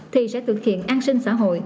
thì sẽ thực hiện an sinh xã hội